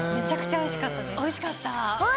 おいしかったです。